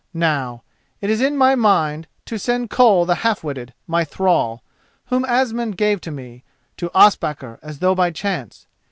Now, it is in my mind to send Koll the Half witted, my thrall, whom Asmund gave to me, to Ospakar as though by chance.